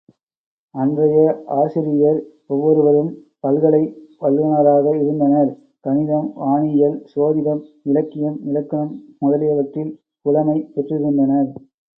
அன்றைய ஆசிரியர் ஒவ்வொருவரும் பல்கலை வல்லுநராக இருந்தனர் கணிதம், வானியல், சோதிடம், இலக்கியம், இலக்கணம், முதலியவற்றில் புலமை பெற்றிருந்தனர்.